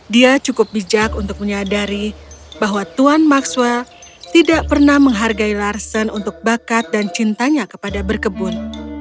dia cukup bijak untuk menyadari bahwa tuan maxwell tidak pernah menghargai larsen untuk bakat dan cintanya kepada berkebun